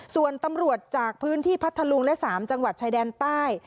ส่วนตำรวจจากพื้นที่พัทธลุงและ๓จังหวัดชายแดนใต้